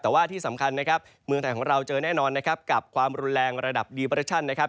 แต่ว่าที่สำคัญนะครับเมืองไทยของเราเจอแน่นอนนะครับกับความรุนแรงระดับดีเปอร์เรชั่นนะครับ